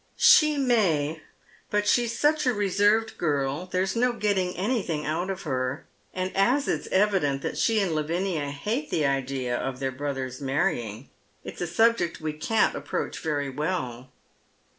" She may, but she's such a reserved girl, there's no getting anytliing out of her ; and as it's evident that she and Laviiiia hate the idea of their brothei''s marrying, it's a subject we can't approach very well."